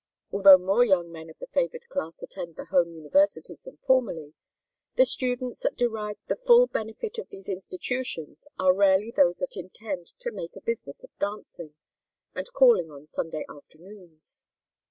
Although more young men of the favored class attend the home universities than formerly, the students that derive the full benefit of these institutions are rarely those that intend to make a business of dancing, and calling on Sunday afternoons.